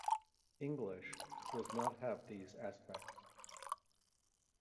English does not have these aspects.